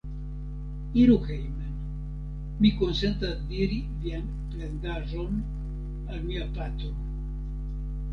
Iru hejmen: mi konsentas diri vian plendaĵon al mia patro!